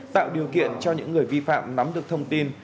tạo điều kiện cho những người vi phạm nắm được thông tin